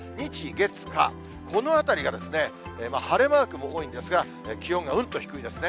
月、火、このあたりが晴れマークも多いんですが、気温がうんと低いですね。